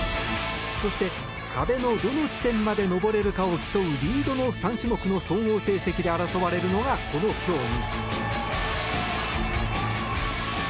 そして、壁のどの地点まで登れるかを競うリードの３種目の総合成績で争われるのがこの競技。